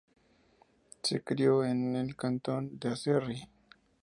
Se crio en el cantón de Aserrí.